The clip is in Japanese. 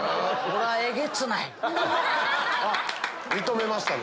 認めましたね。